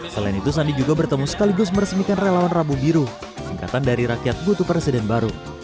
selain itu sandi juga bertemu sekaligus meresmikan relawan rabu biru singkatan dari rakyat butuh presiden baru